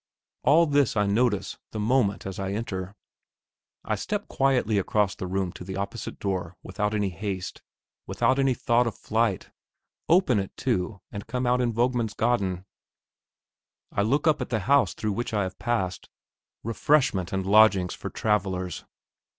All this I notice the moment as I enter. I step quietly across the room to the opposite door without any haste, without any thought of flight; open it, too, and come out in Vognmansgaden. I look up at the house through which I have passed. "Refreshment and lodgings for travellers."